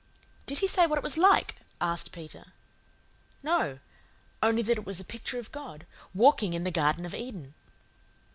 "Did he say what it was like?" asked Peter. "No only that it was a picture of God, walking in the garden of Eden."